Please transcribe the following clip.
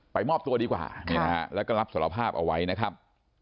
มอบตัวดีกว่าแล้วก็รับสารภาพเอาไว้นะครับ